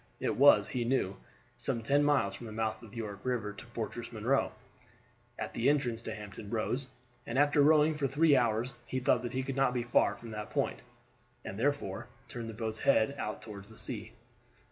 It was, he knew, some ten miles from the mouth of the York River to Fortress Monroe, at the entrance to Hampton Roads, and after rowing for three hours he thought that he could not be far from that point, and therefore turned the boat's head out toward the sea.